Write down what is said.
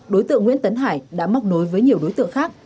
đối tượng nguyễn tấn hải đã móc nối với nhiều đối tượng khác